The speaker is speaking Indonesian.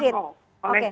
terima kasih pak seminta